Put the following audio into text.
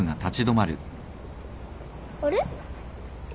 あれ？